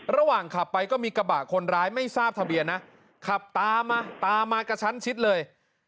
ระหว่างขับไปก็มีกระบะคนร้ายไม่ทราบทะเบียนนะขับตามมาตามมากระชั้นชิดเลย